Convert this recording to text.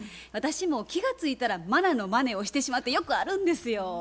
私も気が付いたら茉奈のマネをしてしまってよくあるんですよ。